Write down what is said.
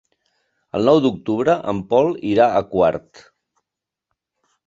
El nou d'octubre en Pol irà a Quart.